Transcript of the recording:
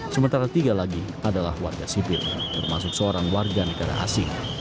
sementara tiga lagi adalah warga sipil termasuk seorang warga negara asing